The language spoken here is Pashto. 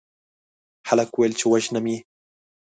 هلک وويل چې وژنم يې